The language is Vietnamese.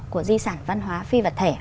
của di sản văn hóa phi vật thể